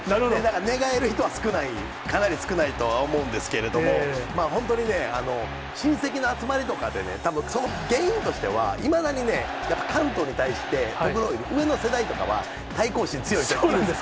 寝返る人は少ない、かなり少ないと思うんですけれども、本当にね、親戚の集まりとかでね、たぶん、その原因としては、いまだにやっぱり関東に対して、僕の上の世代とかは、対抗心強いと思うんです。